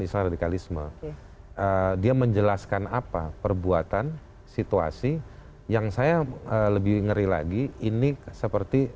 istilah radikalisme dia menjelaskan apa perbuatan situasi yang saya lebih ngeri lagi ini seperti